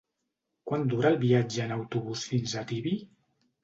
Quant dura el viatge en autobús fins a Tibi?